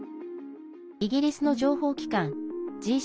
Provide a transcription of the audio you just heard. イギリスの情報機関